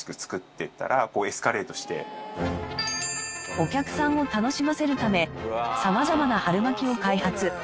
お客さんを楽しませるため様々な春巻きを開発。